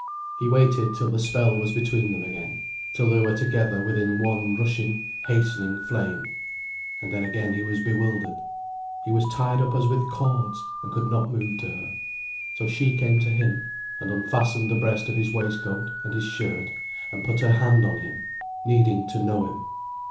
He waited till the spell was between them again, till they were together within one rushing, hastening flame. And then again he was bewildered, he was tied up as with cords, and could not move to her. So she came to him, and unfastened the breast of his waistcoat and his shirt, and put her hand on him, needing to know him.